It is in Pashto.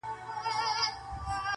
• د صابرانو سره خدای ج ملګری وي -